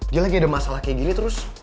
dia lagi ada masalah kayak gini terus